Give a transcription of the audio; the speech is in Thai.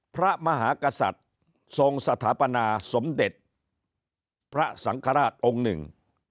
พระมหากษัตริย์ทรงสถาปนาสมเด็จพระสังฆราชองค์หนึ่ง